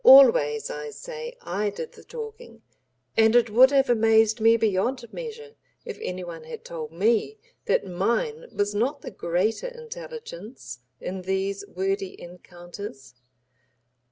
Always, I say, I did the talking, and it would have amazed me beyond measure if any one had told me that mine was not the greater intelligence in these wordy encounters.